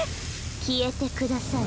消えてください。